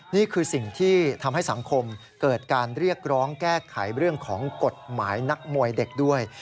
นี่คือสิ่งที่ทำให้สังคมเกิดการเรียกร้องแก้ไขเรื่องของกฎหมายนักมวยเด็กด้วย